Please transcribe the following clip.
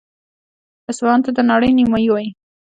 اصفهان ته د نړۍ نیمایي وايي.